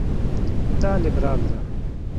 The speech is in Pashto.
دا لېبرال ده.